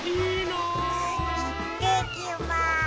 いってきます。